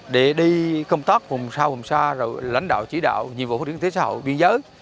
để đi công tác vùng xa vùng xa rồi lãnh đạo chỉ đạo nhiệm vụ phát triển thế giới hậu biên giới